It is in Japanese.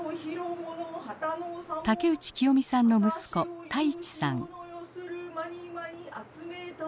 竹内清美さんの息子太一さん。